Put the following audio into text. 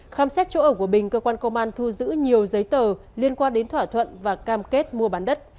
khám xét chỗ ở của bình cơ quan công an thu giữ nhiều giấy tờ liên quan đến thỏa thuận và cam kết mua bán đất